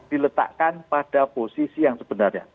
diletakkan pada posisi yang sebenarnya